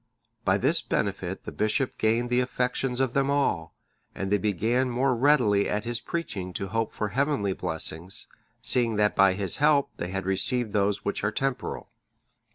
By this benefit the bishop gained the affections of them all, and they began more readily at his preaching to hope for heavenly blessings, seeing that by his help they had received those which are temporal.